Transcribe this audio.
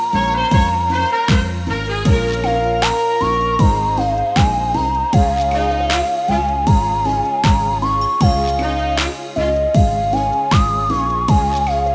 แก้ความคิดถึงพระเจ้าฐาน